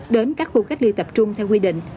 đến các khu cách ly tập trung theo quy định